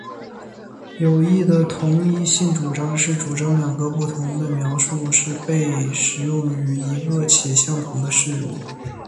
有益的同一性主张是主张两个不同的描述是被使用于一个且相同的事物。